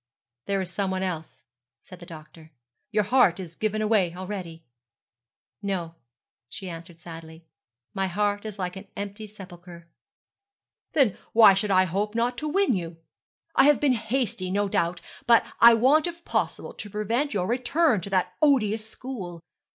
'There is some one else,' said the doctor. 'Your heart is given away already.' 'No,' she answered sadly; 'my heart is like an empty sepulchre.' 'Then why should I not hope to win you? I have been hasty, no doubt: but I want if possible to prevent your return to that odious school.